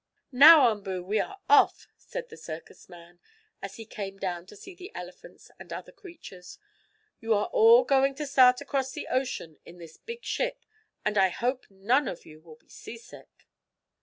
"Now, Umboo, we are off!" said the circus man, as he came down to see the elephants and other creatures. "You are all going to start across the ocean in this big ship, and I hope none of you will be seasick."